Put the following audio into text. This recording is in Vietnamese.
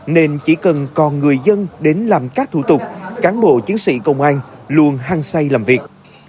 nên chỉ cần còn người dân đến làm các thủ tục cán bộ chiến sĩ công an luôn hăng say làm việc